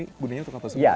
ini gunanya untuk apa